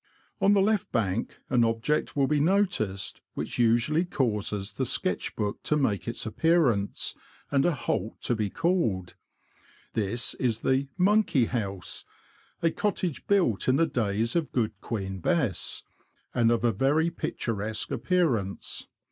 On the left bank an object will be noticed which usually causes the sketch book to make its appearance, and a halt to be called. This is the *' Monkey House." a cottage built in the days of Good Queen Bess, and of a very picturesque appearance.